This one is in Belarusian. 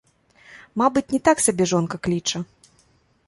Мабыць, не так сабе жонка кліча.